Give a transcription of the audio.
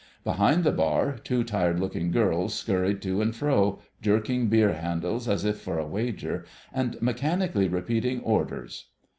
Behind the bar two tired looking girls scurried to and fro, jerking beer handles as if for a wager, and mechanically repeating orders.